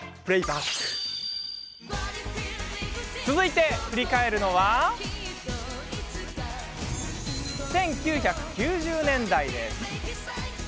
さあ、続いて振り返るのは１９９０年代。